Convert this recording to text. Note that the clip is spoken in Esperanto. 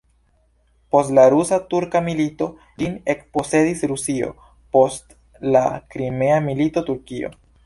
Post la rusa-turka milito, ĝin ekposedis Rusio, post la Krimea milito Turkio.